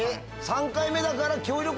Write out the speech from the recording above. ３回目だから。